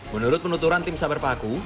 menurut penuturan tim sabar paku